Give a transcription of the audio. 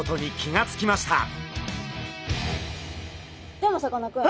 でもさかなクン。